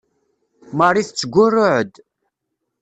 Marie tettgurruɛ-d.